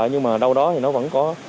nhưng mà đâu đó thì nó vẫn có